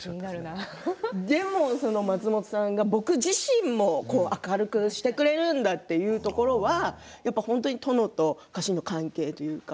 でも松本さんが僕自身も明るくしてくれるんだというところは本当に殿と家臣の関係というか。